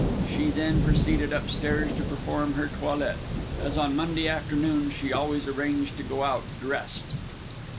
She then proceeded upstairs to perform her toilette, as on Monday afternoons she always arranged to go out "dressed".